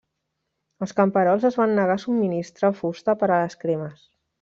Els camperols es van negar a subministrar fusta per a les cremes.